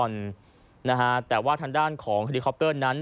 นะฮะแต่ว่าทางด้านของเคร็ดิคอปเตอร์นั้น